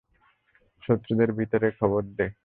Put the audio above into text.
শত্রুদের ভিতরের খবর দে।